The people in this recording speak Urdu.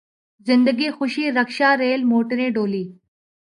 زندگی خوشی رکشا ریل موٹریں ڈولی